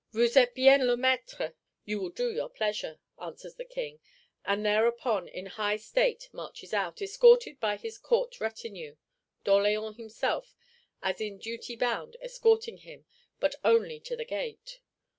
'Vous êtes bien le maître (You will do your pleasure)', answers the King; and thereupon, in high state, marches out, escorted by his Court retinue; D'Orléans himself, as in duty bound, escorting him, but only to the gate.